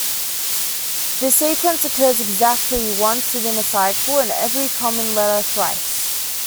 This sequence occurs exactly once within a cycle, and every common letter thrice.